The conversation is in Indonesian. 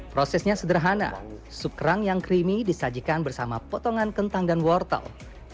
prosesnya sederhana sup kerang yang creamy disajikan bersama potongan kentang dan wortel